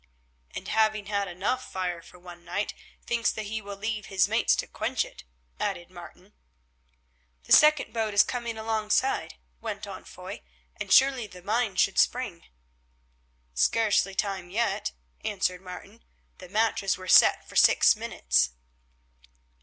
"And having had enough fire for one night, thinks that he will leave his mates to quench it," added Martin. "The second boat is coming alongside," went on Foy, "and surely the mine should spring." "Scarcely time yet," answered Martin, "the matches were set for six minutes."